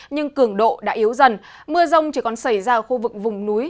nhưng cường độ đã yếu dần mưa rông chỉ còn xảy ra ở khu vực vùng núi